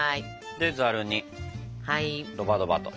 でザルにドバドバと。